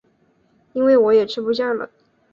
因为我也吃不下了